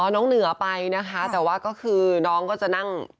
น้องเหนือไปนะคะแต่ว่าก็คือน้องก็จะนั่ง